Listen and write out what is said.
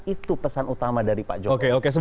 itu pesan utama dari pak jokowi